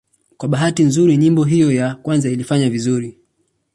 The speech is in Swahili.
Kwa bahati nzuri nyimbo hiyo ya kwanza ilifanya vizuri.